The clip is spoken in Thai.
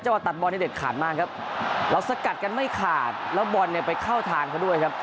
ว่าตัดบอลเนี่ยเด็ดขาดมากครับเราสกัดกันไม่ขาดแล้วบอลเนี่ยไปเข้าทางเขาด้วยครับ